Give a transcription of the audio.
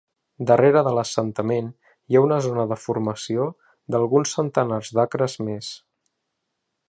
Darrere de l'assentament hi ha una zona de formació d'alguns centenars d'acres més.